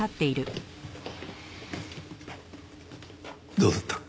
どうだった？